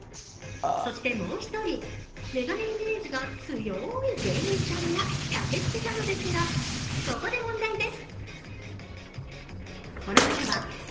そしてもう一人、眼鏡イメージが強い芸人さんが駆けつけたのですがここで問題です。